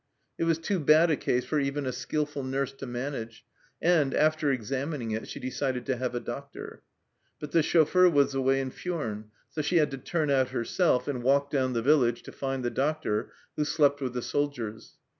It was too bad a case for even a skilful nurse to manage, and, after examining it, she decided to have a doctor. But the chauffeur was away in Furnes, so she had to turn out herself and walk down the village to find the doctor, who slept with the soldiers.